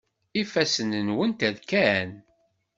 Ifassen-nwent rkan.